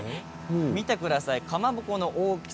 見てください、かまぼこの大きさ。